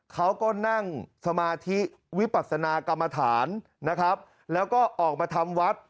เขาก็นั่งสมาธิวิปัสนากรรมฐานนะครับแล้วก็ออกมาทำวัด